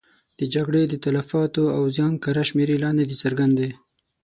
د جګړې د تلفاتو او زیان کره شمېرې لا نه دي څرګندې.